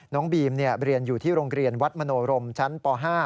น้องบีมเรียนอยู่ที่โรงเรียนวัดมโนรมชั้นป๕